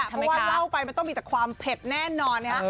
เพราะว่าเล่าไปมันต้องมีแต่ความเผ็ดแน่นอนนะฮะ